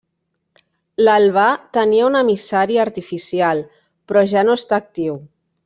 L'Albà tenia un emissari artificial, però ja no està actiu.